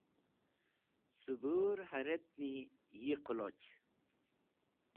Cẽbũr hẽretni yi qẽloch.